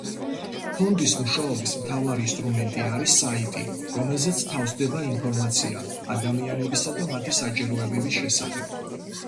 ფონდის მუშაობის მთავარი ინსტრუმენტი არის საიტი, რომელზეც თავსდება ინფორმაცია ადამიანებისა და მათი საჭიროებების შესახებ.